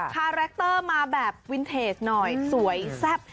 คาแรคเตอร์มาแบบวินเทจหน่อยสวยแซ่บ